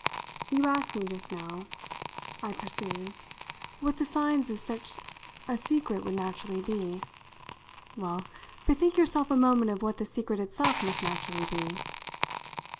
You asked me just now," I pursued, "what the signs of such a secret would naturally be. Well, bethink yourself a moment of what the secret itself must naturally be."